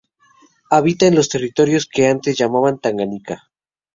Habita en los territorios que antes se llamaban Tanganica.